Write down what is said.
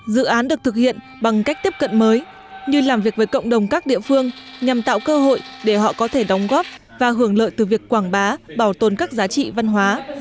dự án được thực hiện bằng cách tiếp cận mới như làm việc với cộng đồng các địa phương nhằm tạo cơ hội để họ có thể đóng góp và hưởng lợi từ việc quảng bá bảo tồn các giá trị văn hóa